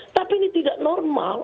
tapi ini tidak normal